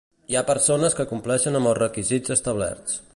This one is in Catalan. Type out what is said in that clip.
Hi ha persones que compleixen amb els requisits establerts.